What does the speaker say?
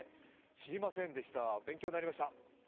知りませんでした勉強になりました。